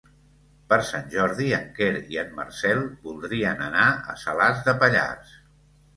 Per Sant Jordi en Quer i en Marcel voldrien anar a Salàs de Pallars.